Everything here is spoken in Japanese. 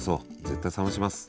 絶対冷まします。